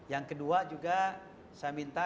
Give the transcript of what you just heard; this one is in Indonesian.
yang kedua juga saya minta